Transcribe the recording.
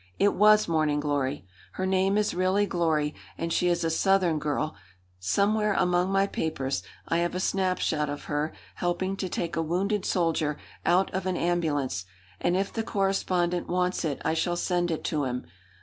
It was Morning Glory! Her name is really Glory, and she is a Southern girl Somewhere among my papers I have a snapshot of her helping to take a wounded soldier out of an ambulance, and if the correspondent wants it I shall send it to him.